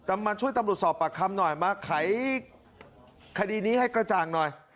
มาช่วยตำรวจสอบปากคำหน่อยมาไขคดีนี้ให้กระจ่างหน่อย